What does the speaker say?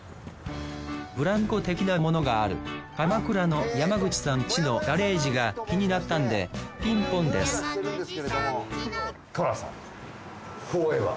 ブランコ的なものがある鎌倉の山口さんちのガレージが気になったんでピンポンです寅さんフォーエバー。